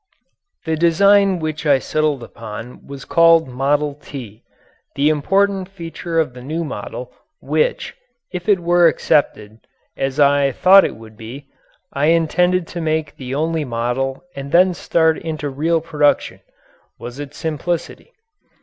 The design which I settled upon was called "Model T." The important feature of the new model which, if it were accepted, as I thought it would be, I intended to make the only model and then start into real production was its simplicity.